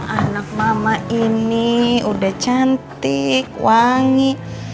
anak mama ini udah cantik wangi